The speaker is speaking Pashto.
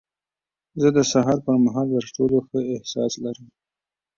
زه د سهار پر مهال تر ټولو ښه احساس لرم.